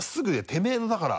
てめぇのだから。